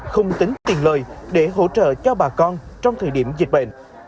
không tính tiền lời để hỗ trợ cho bà con trong thời điểm dịch bệnh